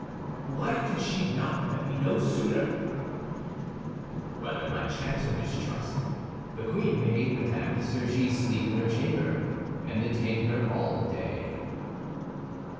"Why did she not let me know sooner?" "Whether by chance or mistrust, the queen made Madame de Surgis sleep in her chamber, and detained her all day."